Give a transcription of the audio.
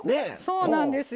そうなんですよ。